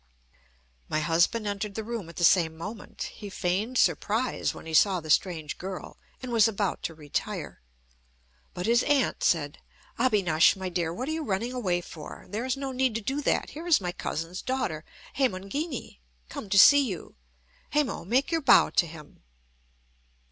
My husband entered the room at the same moment. He feigned surprise when he saw the strange girl, and was about to retire. But his aunt said: "Abinash, my dear, what are you running away for? There is no need to do that. Here is my cousin's daughter, Hemangini, come to see you. Hemo, make your bow to him."